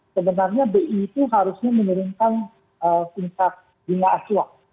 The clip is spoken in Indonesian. sebenarnya bi itu harusnya menurunkan tingkat hingga asyua